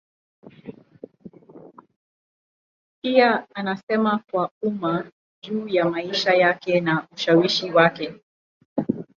Pia anasema kwa umma juu ya maisha yake na ushawishi wake.